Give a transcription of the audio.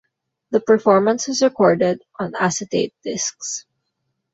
The performance was recorded on acetate discs.